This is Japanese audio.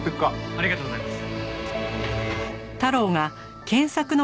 ありがとうございます。